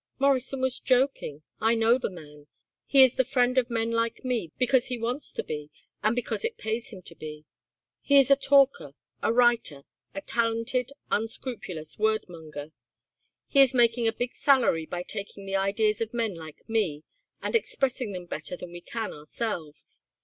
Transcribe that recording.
Morrison was joking. I know the man. He is the friend of men like me because he wants to be and because it pays him to be. He is a talker, a writer, a talented, unscrupulous word monger. He is making a big salary by taking the ideas of men like me and expressing them better than we can ourselves.